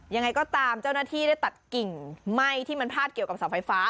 ยังไงก็ตามเจ้าหน้าที่ได้ตัดกิ่งไหม้ที่มันพาดเกี่ยวกับเสาไฟฟ้า